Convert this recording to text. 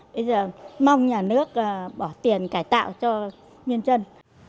bây giờ mong nhà nước bỏ tiền cải tạo cho nguyên dân